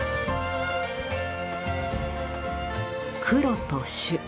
黒と朱。